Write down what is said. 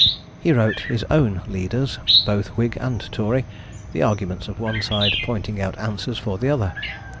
He wrote his own 'leaders,' both Whig and Tory, the arguments of one side pointing out answers for the other.